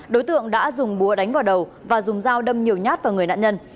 đối tượng đã dùng búa đánh vào đầu và dùng dao đâm nhiều nhát vào người nạn nhân